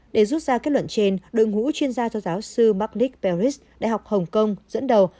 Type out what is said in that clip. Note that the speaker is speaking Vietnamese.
để rút ra kết luận trên đội ngũ chuyên gia do giáo sư mark nick ferris đại học hồng kông dẫn đầu